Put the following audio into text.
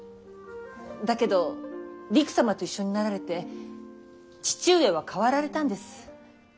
だけどりく様と一緒になられて父上は変わられたんです。